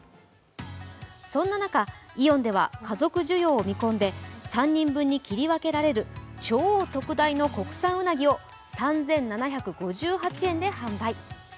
そんな中、イオンでは家族需要を見込んで３人分に切り分けられる超特大の国産うなぎを３７５８円で販売。